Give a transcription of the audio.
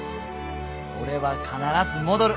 「俺は必ず戻る。